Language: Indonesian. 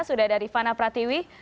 sudah ada rifana pratiwi